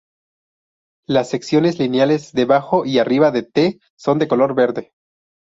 Las secciones lineales debajo y arriba de "T" son de color verde.